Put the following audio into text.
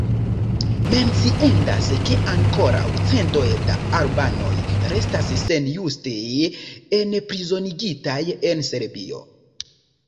Menciendas ke ankoraŭ centoj da albanoj restas senjuste enprizonigitaj en Serbio.